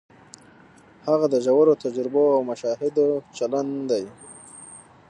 هغه د ژورو تجربو او مشاهدو چلن دی.